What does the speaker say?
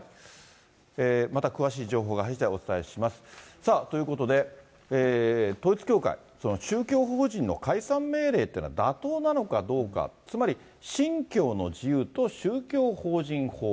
また詳しい情報が入りしだい、お伝えします。ということで、統一教会、宗教法人の解散命令というのは妥当なのかどうか、つまり、信教の自由と宗教法人法。